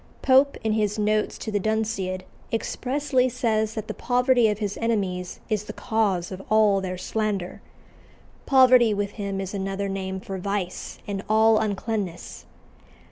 Pope, in his notes to the Dunciad, expressly says that the poverty of his enemies is the cause of all their slander. Poverty with him is another name for vice and all uncleanness.